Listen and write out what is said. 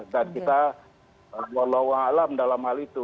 dan kita walau alam dalam hal itu